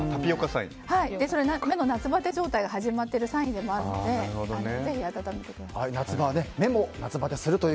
それは目の夏バテ状態が始まってるサインでもあるのでぜひ温めてください。